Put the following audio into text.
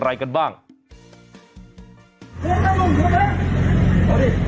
จัดกระบวนพร้อมกัน